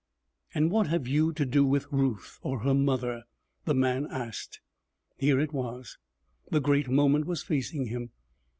'And what have you to do with Ruth, or her mother?' the man asked. Here it was! The great moment was facing him.